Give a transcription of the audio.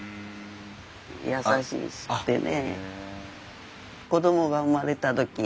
優しくてね。